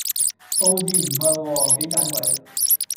佈置唔錯喎！幾盞鬼